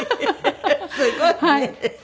すごいね。